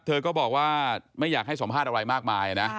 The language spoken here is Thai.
เธอก็บอกว่าไม่อยากให้สัมภาษณ์อะไรมากมายนะ